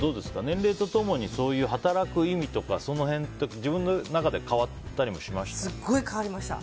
年齢と共にそういう、働く意味とかその辺、自分の中ですごい変わりました。